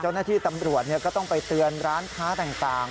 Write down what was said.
เจ้าหน้าที่ตำรวจก็ต้องไปเตือนร้านค้าต่าง